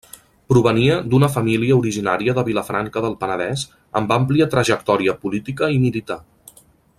Provenia d'una família originària de Vilafranca del Penedès amb àmplia trajectòria política i militar.